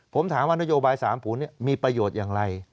ผมถามว่านโยบาย๓ผลมีประโยชน์อย่างไร